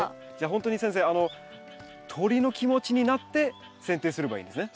ほんとに先生鳥の気持ちになってせん定すればいいんですね。